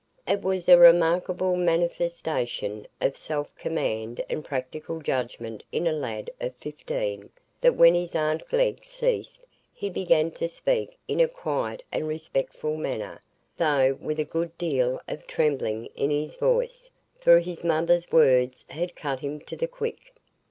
It was a remarkable manifestation of self command and practical judgment in a lad of fifteen, that when his aunt Glegg ceased, he began to speak in a quiet and respectful manner, though with a good deal of trembling in his voice; for his mother's words had cut him to the quick.